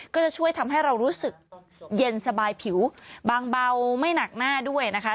ก็จะช่วยทำให้เรารู้สึกเย็นสบายผิวบางเบาไม่หนักหน้าด้วยนะคะ